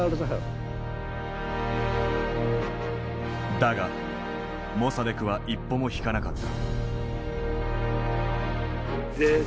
だがモサデクは一歩も引かなかった。